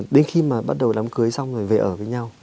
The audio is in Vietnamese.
đến khi mà bắt đầu đám cưới xong rồi về ở với nhau